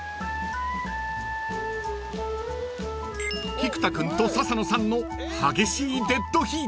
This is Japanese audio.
［菊田君と笹野さんの激しいデッドヒート］